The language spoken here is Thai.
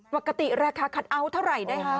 ปกติราคาคัทเอาท์เท่าไหร่นะคะ